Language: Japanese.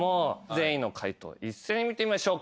全員の解答一斉に見てみましょう。